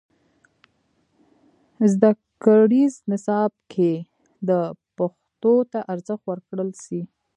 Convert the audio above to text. زدهکړیز نصاب کې دې پښتو ته ارزښت ورکړل سي.